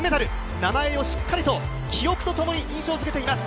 名前をしっかりと、記憶とともに印象づけています。